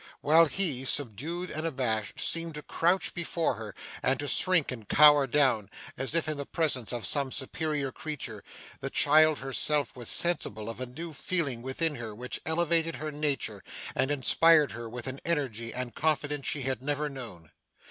While he, subdued and abashed, seemed to crouch before her, and to shrink and cower down, as if in the presence of some superior creature, the child herself was sensible of a new feeling within her, which elevated her nature, and inspired her with an energy and confidence she had never known.